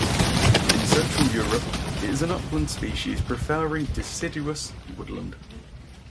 In central Europe it is an upland species, preferring deciduous woodland.